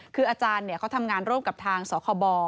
คืออาจารย์เขาทำงานร่วมกับทางสคบ